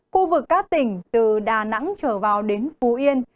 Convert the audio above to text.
khu vực các tỉnh từ đà nẵng trở vào đến phú yên